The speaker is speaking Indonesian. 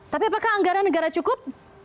tapi apakah anggaran negara cukup